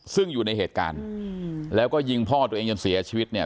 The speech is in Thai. ซึ่งอยู่ในเหตุการณ์แล้วก็ยิงพ่อตัวเองจนเสียชีวิตเนี่ย